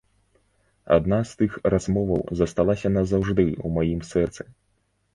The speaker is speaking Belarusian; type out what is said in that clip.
Адна з тых размоваў засталася назаўжды ў маім сэрцы.